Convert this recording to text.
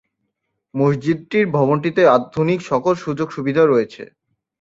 মসজিদটির ভবনটিতে আধুনিক সকল সুযোগ-সুবিধা রয়েছে।